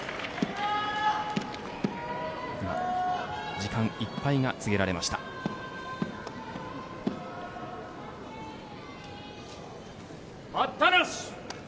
時間いっぱいが告げられました。